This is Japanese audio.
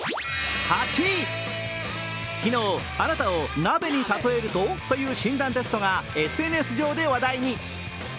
昨日、あなたを鍋に例えるとという診断テストがＳＮＳ上で話題に。